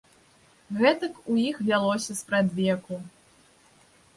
Гэтак у іх вялося спрадвеку.